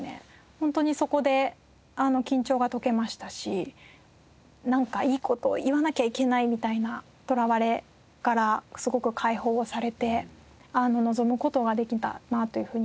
本当にそこで緊張が解けましたしなんかいい事を言わなきゃいけないみたいなとらわれからすごく解放をされて臨む事ができたなというふうに思います。